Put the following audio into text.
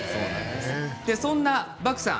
そんなバクさん